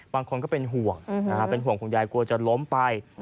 บางคนก็เป็นห่วงเป็นห่วงคุณยายกลัวจะล้มไป